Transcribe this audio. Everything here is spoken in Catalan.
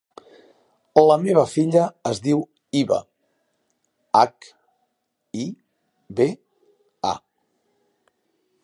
La meva filla es diu Hiba: hac, i, be, a.